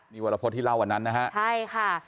นี่วรพฤษที่เล่าวันนั้นนะฮะใช่ค่ะ